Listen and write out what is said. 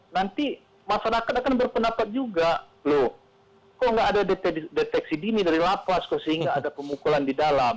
nanti masyarakat akan berpendapat juga loh kok nggak ada deteksi dini dari lapas kok sehingga ada pemukulan di dalam